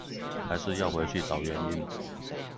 還是要回去找原因